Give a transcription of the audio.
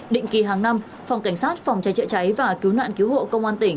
định kỳ hàng năm phòng cảnh sát phòng trái trịa trái và cứu nạn cứu hộ công an tỉnh